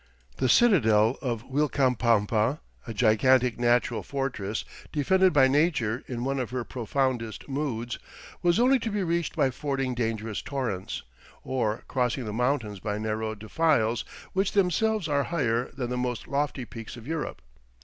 The citadel of Uilcapampa, a gigantic natural fortress defended by Nature in one of her profoundest moods, was only to be reached by fording dangerous torrents, or crossing the mountains by narrow defiles which themselves are higher than the most lofty peaks of Europe.